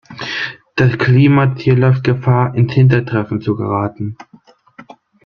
Das Klimaziel läuft Gefahr, ins Hintertreffen zu geraten.